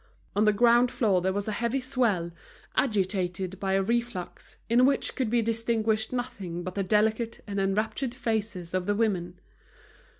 On the ground floor there was a heavy swell, agitated by a reflux, in which could be distinguished nothing but the delicate and enraptured faces of the women.